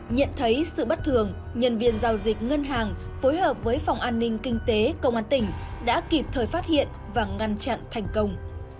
nhận thấy sự bất thường nhân viên giao dịch ngân hàng phối hợp với phòng an ninh kinh tế công an tỉnh đã kịp thời phát hiện và ngăn chặn thành công